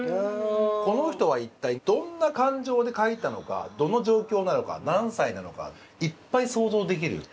この人は一体どんな感情で書いたのかどの状況なのか何歳なのかいっぱい想像できる。